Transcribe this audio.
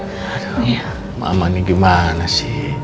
iya mama ini gimana sih